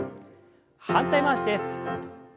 反対回しです。